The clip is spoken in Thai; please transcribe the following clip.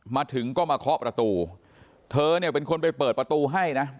มาถึงก็มาเคาะประตูเธอเนี่ยเป็นคนไปเปิดประตูให้นะ